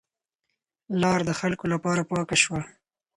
لار د خلکو لپاره پاکه شوه.